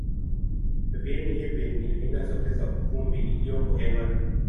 Viini hivi ni aina zote za vumbi iliyoko hewani.